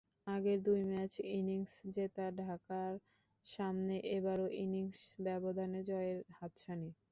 আগের দুই ম্যাচ ইনিংসে জেতা ঢাকার সামনে এবারও ইনিংস ব্যবধানে জয়ের হাতছানি।